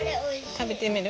食べてみる？